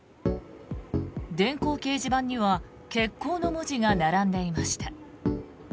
電光掲示板には欠航の文字が並んでいました。